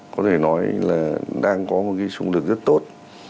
có thể nói là đang có một cái xung lực rất tốt